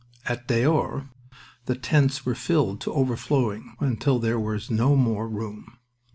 At Daours the tents were filled to overflowing, until there was no more room.